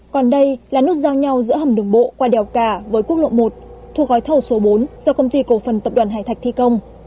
còn đây là nút giao nhau giữa hầm đường bộ qua đèo cả với quốc lộ một thuộc gói thầu số bốn do công ty cổ phần tập đoàn hải thạch thi công